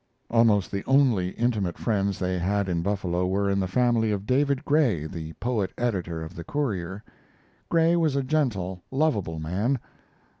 Almost the only intimate friends they had in Buffalo were in the family of David Gray, the poet editor of the Courier. Gray was a gentle, lovable man.